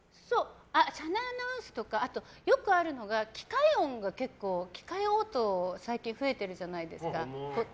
車内アナウンスとかよくあるのが機械応答が結構増えてるじゃないですか。